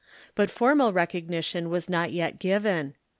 But formal recognition was not yet given.